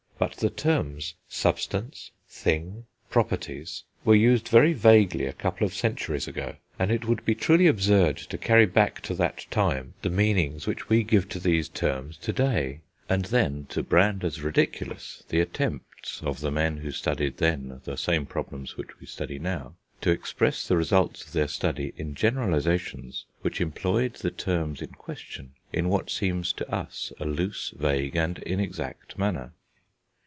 But the terms substance, thing, properties were used very vaguely a couple of centuries ago; and it would be truly absurd to carry back to that time the meanings which we give to these terms to day, and then to brand as ridiculous the attempts of the men who studied, then, the same problems which we study now, to express the results of their study in generalisations which employed the terms in question, in what seems to us a loose, vague, and inexact manner.